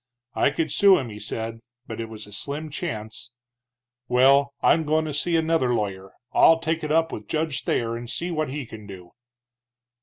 I could sue him, he said, but it was a slim chance. Well, I'm goin' to see another lawyer I'll take it up with Judge Thayer, and see what he can do."